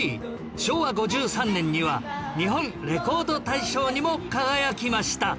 昭和５３年には日本レコード大賞にも輝きました